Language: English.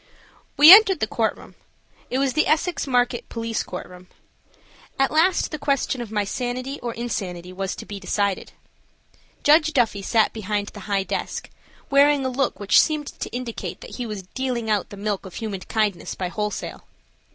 We entered the courtroom. It was the Essex Market Police Courtroom. At last the question of my sanity or insanity was to be decided. Judge Duffy sat behind the high desk, wearing a look which seemed to indicate that he was dealing out the milk of human kindness by wholesale.